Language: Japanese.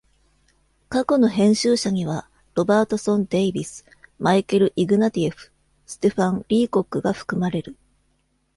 過去の編集者には、ロバートソン・デイビス、マイケル・イグナティエフ、ステファン・リーコックが含まれる。